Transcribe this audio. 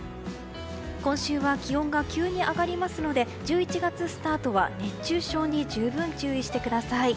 今週は気温が急に上がりますので１１月スタートは熱中症に十分、注意してください。